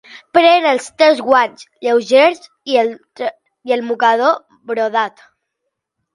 Pren els teus guants lleugers i el mocador brodat.